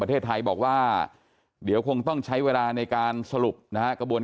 ประเทศไทยบอกว่าเดี๋ยวคงต้องใช้เวลาในการสรุปนะฮะกระบวน